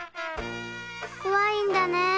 ・こわいんだね。